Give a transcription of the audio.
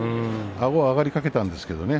あごが上がりかけたんですけどね。